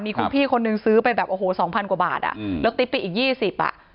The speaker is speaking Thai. มีคุณพี่คนนึงซื้อไปแบบ๒๐๐๐กว่าบาทแล้วติ๊บปิ๊กอีก๒๐บาท